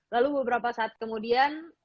lalu beberapa saat kemudian